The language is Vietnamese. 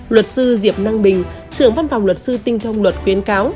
luật sư diệp năng bình trưởng văn phòng luật sư tinh thông luật khuyến cáo